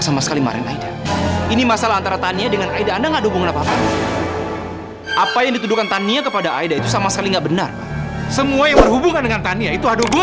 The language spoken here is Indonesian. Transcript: sampai jumpa di video selanjutnya